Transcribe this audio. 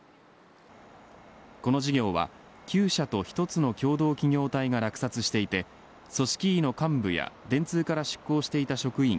この事業は９社と１つの共同企業体が落札していて組織委の幹部や電通から出向していた職員